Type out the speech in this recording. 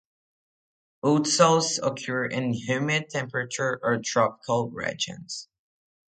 Ultisols occur in humid temperate or tropical regions.